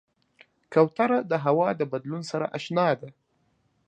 کوتره د هوا د بدلون سره اشنا ده.